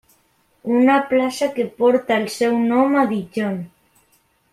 Una plaça que porta el seu nom a Dijon.